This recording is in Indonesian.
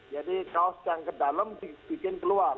jadi kaos yang ke dalam dibikin keluar